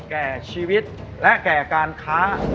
แก่ชีวิตและแก่การค้า